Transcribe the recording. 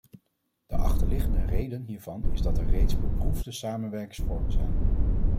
De achterliggende reden hiervan is dat er reeds beproefde samenwerkingsvormen zijn.